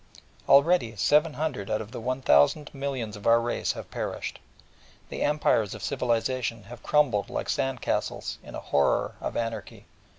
Already 700 out of the 1000 millions of our race have perished, and the empires of civilisation have crumbled like sand castles in a horror of anarchy.